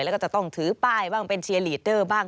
แล้วก็จะต้องถือป้ายบ้างเป็นเชียร์ลีดเดอร์บ้าง